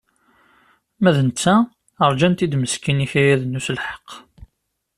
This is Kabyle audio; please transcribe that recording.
Ma d netta rjan-t-id meskin ikayaden uselḥeq.